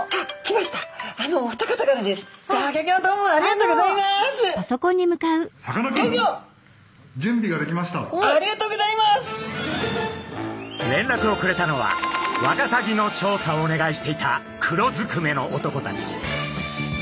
れんらくをくれたのはワカサギの調査をお願いしていた黒ずくめの男たち。